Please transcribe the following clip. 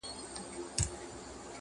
خلګ وایې د قاضي صاب مهماني ده،